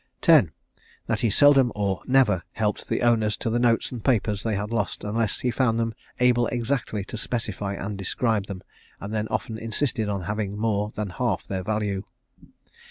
X. That he seldom or never helped the owners to the notes and papers they had lost unless he found them able exactly to specify and describe them, and then often insisted on having more than half their value.